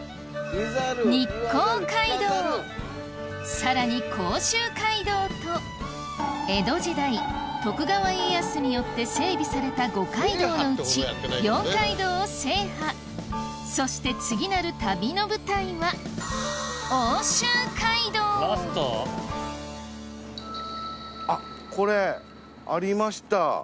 さらに江戸時代徳川家康によって整備された五街道のうち４街道を制覇そして次なる旅の舞台はあっこれありました。